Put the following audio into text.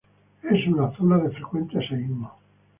Es una zona de frecuentes seísmos.